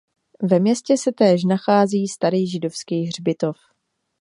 Ve městě se též nachází starý židovský hřbitov.